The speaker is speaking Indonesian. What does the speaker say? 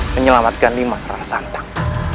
menyelamatkan nimasarara santang